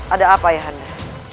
ada apa ayahanda